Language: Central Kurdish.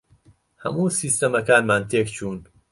هەموو سیستەمەکانمان تێک چوون.